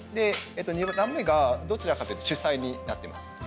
２段目がどちらかというと主菜になってます。